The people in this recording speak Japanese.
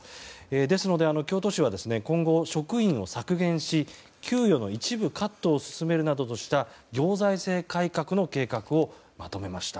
ですので、京都市は今後、職員を削減し給与の一部カットを進めるなどとした行財政改革の計画をまとめました。